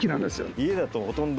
家だとほとんど。